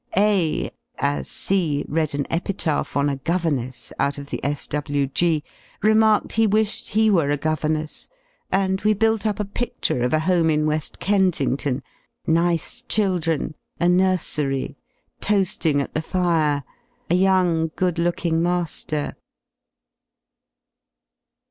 A , as C read an epitaph on a "governess" out of the S.JV.G.^ remarked he wished he were a governess, and we built up a picture of a home in We^ Kensington, nice children, a nursery, toa^ing at the fire, a young good looking master